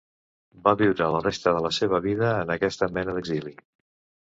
Va viure la resta de la seva vida en aquesta mena d'exili.